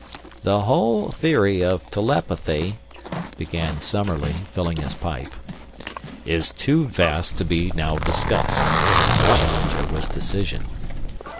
"The whole theory of telepathy " began Summerlee, filling his pipe. "Is too vast to be now discussed," said Challenger, with decision.